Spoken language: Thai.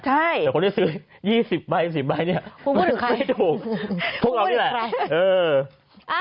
ใช่แต่คนที่ซื้อ๒๐ใบ๑๐ใบเนี่ยพูดถึงใครไม่ถูกพูดถึงใคร